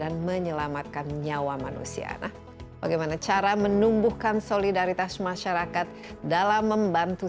dan menyelamatkan nyawa manusia bagaimana cara menumbuhkan solidaritas masyarakat dalam membantu